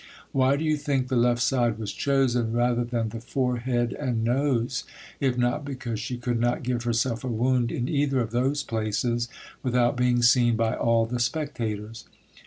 Why do you think the left side was chosen rather than the forehead and nose, if not because she could not give herself a wound in either of those places without being seen by all the spectators?